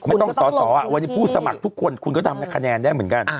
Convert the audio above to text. ไม่ต้องสอสอวันนี้ผู้สมัครทุกคนคุณก็ทำให้คะแนนได้เหมือนกัน